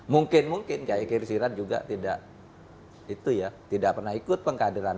mungkin mungkin kiai kir siraj juga tidak itu ya tidak pernah ikut pengkaderan